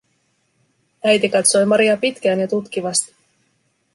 Äiti katsoi Maria pitkään ja tutkivasti.